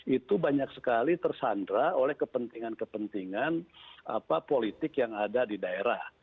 itu banyak sekali tersandra oleh kepentingan kepentingan politik yang ada di daerah